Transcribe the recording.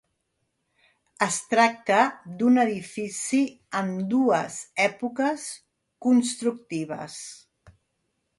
Es tracta d'un edifici amb dues èpoques constructives.